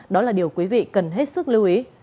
đó là điều quý vị cần hết sức lưu ý